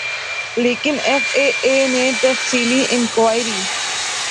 لیکن F A A نے تفصیلی انکوائری